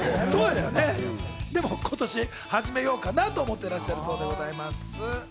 でも今年から始めようかなと思っているそうでございます。